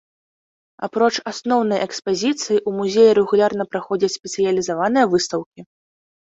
Апроч асноўнай экспазіцыі ў музеі рэгулярна праходзяць спецыялізаваныя выстаўкі.